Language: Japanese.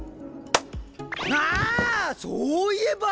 あそういえば！